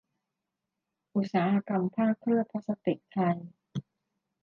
อุตสาหกรรมผ้าเคลือบพลาสติกไทย